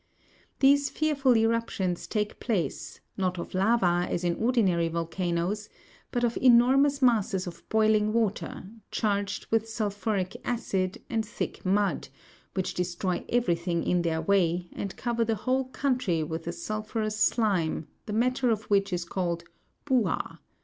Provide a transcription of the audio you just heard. These fearful eruptions take place, not of lava as in ordinary volcanoes, but of enormous masses of boiling water, charged with sulphuric acid and thick mud, which destroy everything in their way, and cover the whole country with a sulphurous slime the matter of which is called buah.